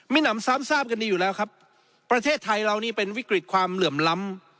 มีหนำซ้ำทราบกันดีอยู่แล้วครับประเทศไทยเรานี่เป็นวิกฤตความเหลื่อมล้ำ